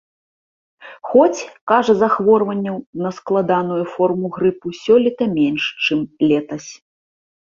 Хоць, кажа, захворванняў на складаную форму грыпу сёлета менш, чым летась.